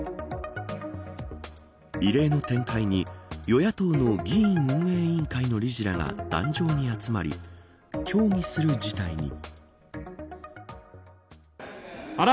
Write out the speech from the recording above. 異例の展開に与野党の議院運営委員会の理事らが壇上に集まり、協議する事態に。